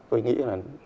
tôi nghĩ là